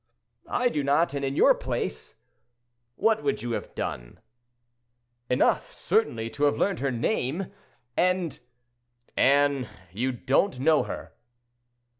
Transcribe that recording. "I do not: and in your place—" "What would you have done?" "Enough, certainly, to have learned her name and—" "Anne, you don't know her."